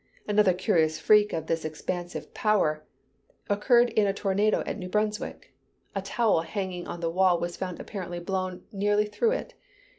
Another curious freak of this expansive power occurred in a tornado at New Brunswick. A towel hanging on the wall was found apparently blown nearly through it.